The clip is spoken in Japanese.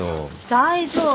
大丈夫。